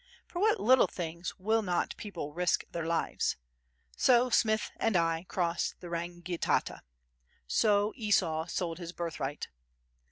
For what little things will not people risk their lives? So Smith and I crossed the Rangitata. So Esau sold his birthright.